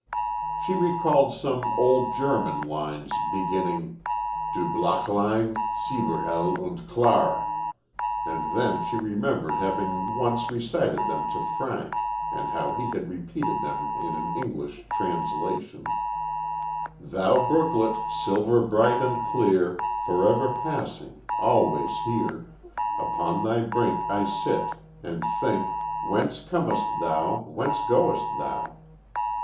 She recalled some old German lines beginning, "Du Bachlein, silberhell und klar," and then she remembered having once recited them to Frank, and how he had repeated them in an English translation: "Thou brooklet, silver bright and clear Forever passing always here Upon thy brink I sit, and think Whence comest thou? Whence goest thou?"